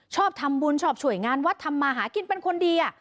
ชอบทำบุญชอบช่วยงานวัดทำมาหากินเป็นคนดี